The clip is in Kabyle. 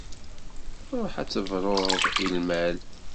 Ruḥ ad d-tebruḍ i lmal.